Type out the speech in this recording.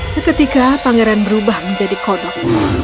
seketika pangeran berubah menjadi kodok